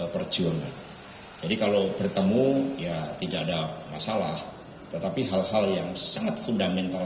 perjuangan jadi kalau bertemu ya tidak ada masalah tetapi hal hal yang sangat fundamental